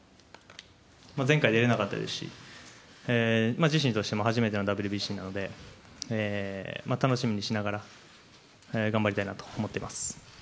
前回出れなかったですし、自身としても初めてのＷＢＣなので、楽しみにしながら頑張りたいなと思ってます。